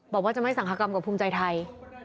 บอกว่าจะไม่สังคกรรมกับภูมิใจไทย